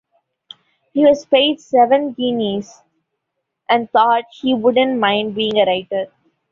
He was paid seven guineas, and thought he "wouldn't mind being a writer".